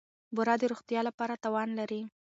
بوره د روغتیا لپاره تاوان لري.